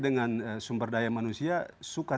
dengan sumber daya manusia suka